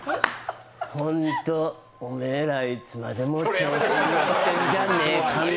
ホント、おめえら、いつまでも調子乗ってんじゃねえって。